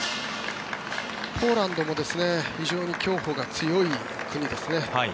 ポーランドも非常に競歩が強い国ですね。